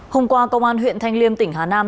hôm qua công an huyện thanh liêm tỉnh hà nam